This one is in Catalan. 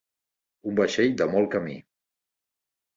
Un vaixell de molt camí.